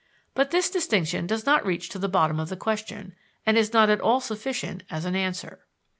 But this distinction does not reach to the bottom of the question, and is not at all sufficient as an answer.